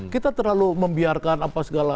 kita terlalu membiarkan apa segala